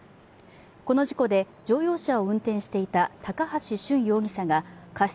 この事故で乗用車を運転していた高橋俊容疑者が過失